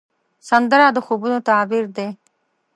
سندره د خوبونو تعبیر دی